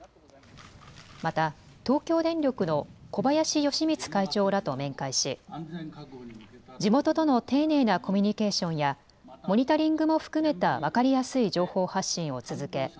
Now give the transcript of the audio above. また東京電力の小林喜光会長らと面会し地元との丁寧なコミュニケーションやモニタリングも含めた分かりやすい情報発信を続け